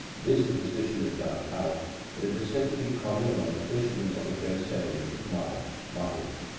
This superstition is dying out, but is said to be common among the fishermen of the French settlement of Mai (Mahé)."